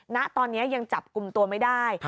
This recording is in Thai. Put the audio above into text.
ณตอนนี้ยังจับกลุ่มตัวไม่ได้